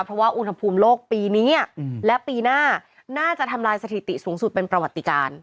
เพราะว่าอุณหภูมิโลกปีนี้และปีหน้าน่าจะทำลายสถิติสูงสุดเป็นประวัติการ